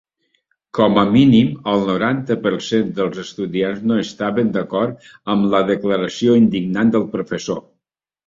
Com a mínim el noranta per cent dels estudiants no estaven d'acord amb la declaració indignant del professor.